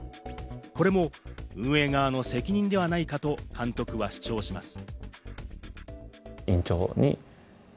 これも運営側の責任ではないかと監督は主張します。